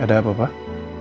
ada apa pak